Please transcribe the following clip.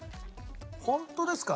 ホントですか？